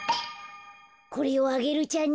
これをアゲルちゃんに。